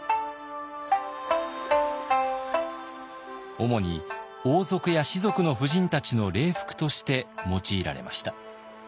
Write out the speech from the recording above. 主に王族や士族の婦人たちの礼服として用いられました。